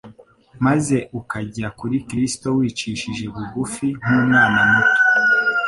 maze ukajya kuri Kristo wicishije bugufi nk'umwana muto,